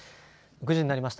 ９時になりました。